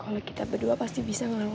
kalau kita berdua pasti bisa ngelakuin ini